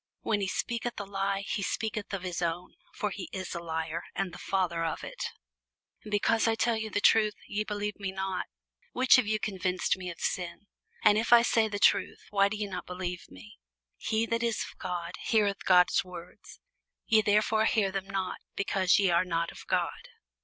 When he speaketh a lie, he speaketh of his own: for he is a liar, and the father of it. And because I tell you the truth, ye believe me not. Which of you convinceth me of sin? And if I say the truth, why do ye not believe me? He that is of God heareth God's words: ye therefore hear them not, because ye are not of God.